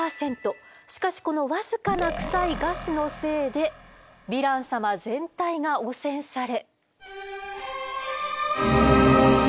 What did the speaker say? しかしこの僅かなクサいガスのせいでヴィラン様全体が汚染され。